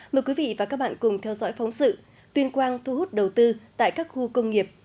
mời quý vị và các bạn cùng theo dõi phóng sự tuyên quang thu hút đầu tư tại các khu công nghiệp